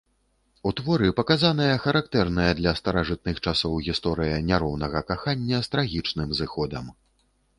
У творы паказаная характэрная для старажытных часоў гісторыя няроўнага кахання з трагічным зыходам.